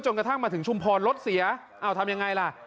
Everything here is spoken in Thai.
กระทั่งมาถึงชุมพรรถเสียอ้าวทำยังไงล่ะ